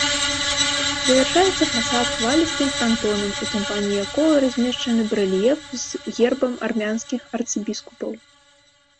Завяршаецца фасад хвалістым франтонам, у тымпане якога размешчаны барэльеф з гербам армянскіх арцыбіскупаў.